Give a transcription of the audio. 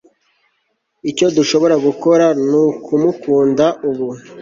icyo dushobora gukora ni ukumukunda ubu